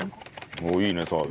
おっいいね澤部。